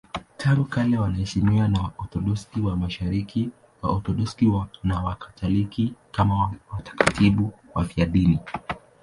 Tangu kale wanaheshimiwa na Waorthodoksi wa Mashariki, Waorthodoksi na Wakatoliki kama watakatifu wafiadini.